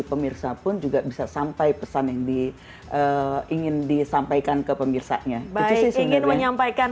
pemirsa pun juga bisa sampai pesan yang di ingin disampaikan ke pemirsanya ingin menyampaikan